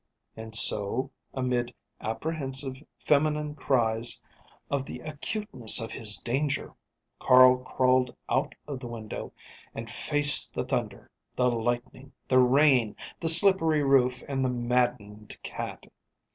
And so, amid apprehensive feminine cries of the acuteness of his danger, Carl crawled out of the window and faced the thunder, the lightning, the rain, the slippery roof, and the maddened cat.